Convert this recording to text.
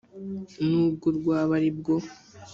nubwo rwaba ari bwo